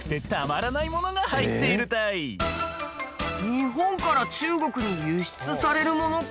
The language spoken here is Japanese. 日本から中国に輸出されるものか。